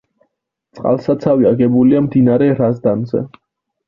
წყალსაცავი აგებულია მდინარე რაზდანზე.